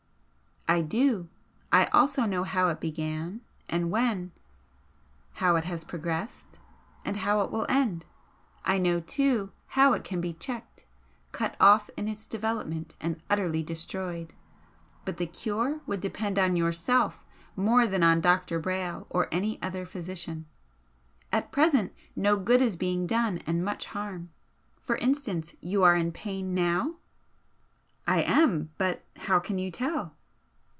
"I do. I also know how it began, and when, how it has progressed, and how it will end. I know, too, how it can be checked cut off in its development, and utterly destroyed, but the cure would depend on yourself more than on Dr. Brayle or any other physician. At present no good is being done and much harm. For instance, you are in pain now?" "I am but how can you tell?"